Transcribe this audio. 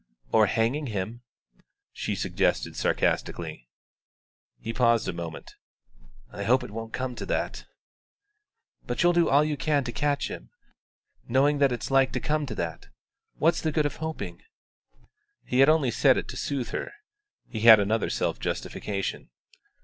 "Or hanging him," she suggested sarcastically. He paused a moment. "I hope he won't come to that." "But you'll do all you can to catch him, knowing that it's like to come to that. What's the good of hoping?" He had only said it to soothe her. He had another self justification.